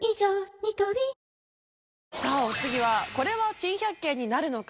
ニトリさあお次はこれは珍百景になるのか？